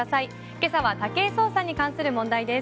今朝は武井壮さんに関する問題です。